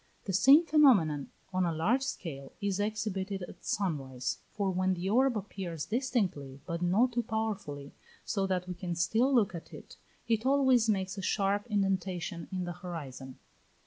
The same phenomenon on a large scale is exhibited at sun rise; for when the orb appears distinctly, but not too powerfully, so that we can still look at it, it always makes a sharp indentation in the horizon.